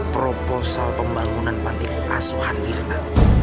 proposal pembangunan pantai asuhan irma